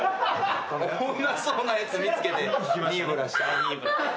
おもんなそうなやつ見つけてニーブラしたん？